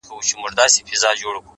• د فاصلو په تول کي دومره پخه سوې يمه؛